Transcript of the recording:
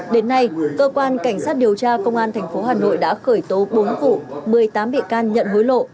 đến nay cơ quan cảnh sát điều tra công an tp hà nội đã khởi tố bốn vụ một mươi tám bị can nhận hối lộ